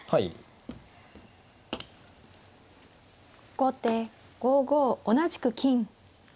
後手５五同じく金。